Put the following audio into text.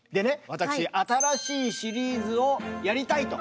私新しいシリーズをやりたいと。